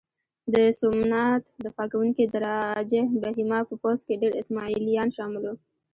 د سومنات دفاع کوونکي د راجه بهیما په پوځ کې ډېر اسماعیلیان شامل وو.